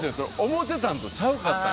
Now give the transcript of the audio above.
思てたんとちゃうかった。